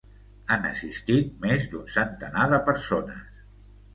Han assistit més d’un centenar de persones.